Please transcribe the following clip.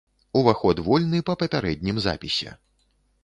Уваход вольны па папярэднім запісе.